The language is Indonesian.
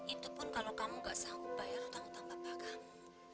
itu pun kalau kamu gak sanggup bayar utang utang bapak kamu